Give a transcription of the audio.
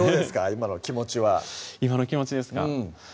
今の気持ちは今の気持ちですかうん